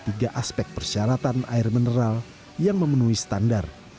tiga aspek persyaratan air mineral yang memenuhi standar